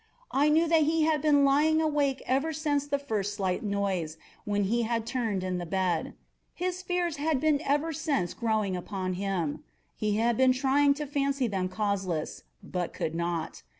I knew that he had been lying awake ever since the first slight noise, when he had turned in the bed. His fears had been ever since growing upon him. He had been trying to fancy them causeless, but could not.